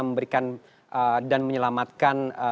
memberikan dan menyelamatkan